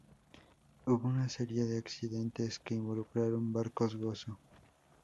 Hubo una serie de accidentes que involucraron barcos Gozo.